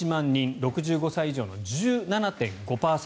６５歳以上の１７．５％。